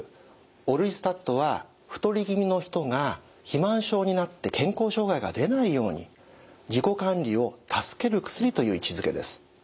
オルリスタットは太り気味の人が肥満症になって健康障害が出ないように自己管理を助ける薬という位置づけです。